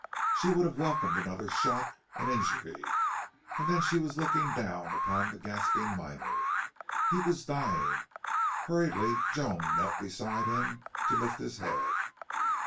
She would have welcomed another shock, an injury. And then she was looking down upon the gasping miner. He was dying. Hurriedly Joan knelt beside him to lift his head.